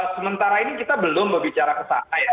sementara ini kita belum berbicara kesana ya